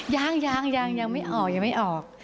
ยังยังยังไม่ออกยังไม่ออก